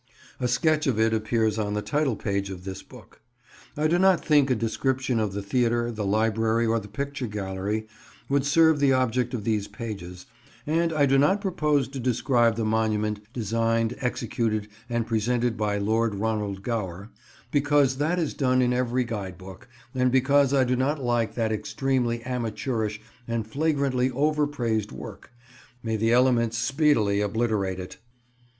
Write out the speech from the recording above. A sketch of it appears on the title page of this book. I do not think a description of the theatre, the library, or the picture gallery would serve the object of these pages, and I do not propose to describe the monument designed, executed and presented by Lord Ronald Gower, because that is done in every guide book, and because I do not like that extremely amateurish and flagrantly overpraised work: may the elements speedily obliterate it!